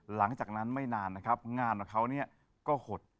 หลังจากนั้นไม่นานนะครับงานของเขาก็หด